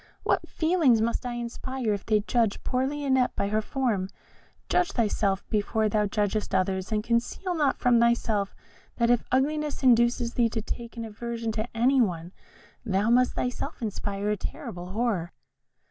What feelings must I inspire if they judge poor Lionette by her form? Judge thyself before thou judgest others, and conceal not from thyself that if ugliness induces thee to take an aversion to any one, thou must thyself inspire a terrible horror."